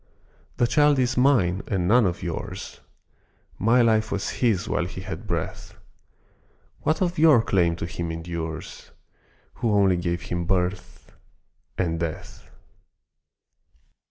The child is mine and none of yours, My life was his while he had breath, What of your claim to him endures, Who only gave him birth and death?